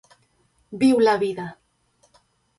Viu la vida!